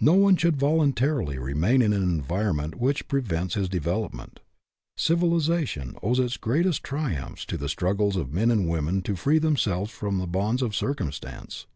No one should voluntarily remain in an environment which prevents his development. Civilization owes its greatest triumphs to the struggles of men and women to free themselves from the bonds of circumstance.